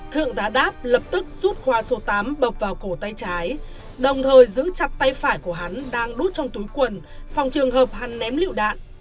thượng tá đáp lập tức rút khóa số tám bập vào cổ tay trái đồng thời giữ chặt tay phải của hắn đang đút trong túi quần phòng trường hợp hắn ném liệu đạn